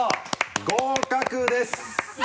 合格です。